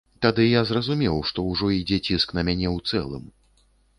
Тады я зразумеў, што ўжо ідзе ціск на мяне ў цэлым.